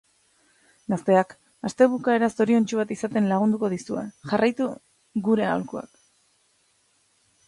Gazteak astebukaera zoriontsu bat izaten lagunduko dizue, jarraitu gure aholkuak!